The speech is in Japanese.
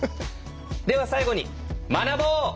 では最後に学ぼう！